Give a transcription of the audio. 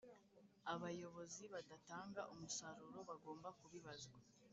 Abayobozi badatanga umusaruro bagomba kubibazwa